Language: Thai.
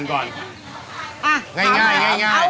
นี่เวลาพูดนะอย่าหั่นฉันเศียว